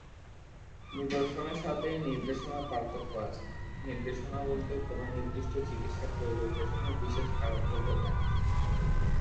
নিদর্শনের সাথে নির্দেশনার পার্থক্য আছে; নির্দেশনা বলতে কোনও নির্দিষ্ট চিকিৎসা প্রয়োগের পেছনে বিশেষ কারণকে বোঝায়।